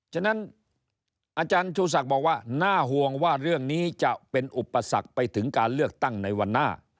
ฉะนั้นอาจารย์ชูศักดิ์บอกว่าน่าห่วงว่าเรื่องนี้จะเป็นอุปสรรคไปถึงการเลือกตั้งในวันหน้า